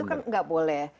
itu kan nggak boleh